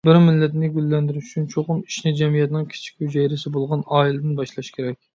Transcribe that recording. بىر مىللەتنى گۈللەندۈرۈش ئۈچۈن چوقۇم ئىشنى جەمئىيەتنىڭ كىچىك ھۈجەيرىسى بولغان ئائىلىدىن باشلاش كېرەك.